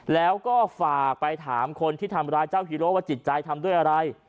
แล้วก็ฝากไปถามคนที่ทำร้ายเจ้าฮีโร่ว่าจิตใจทำด้วยอะไร